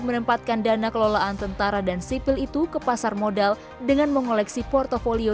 menempatkan dana kelolaan tentara dan sipil itu ke pasar modal dengan mengoleksi portfolio